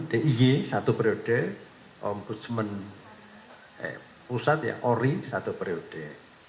diy satu prioritas ombudsman pusat ya ori satu prioritas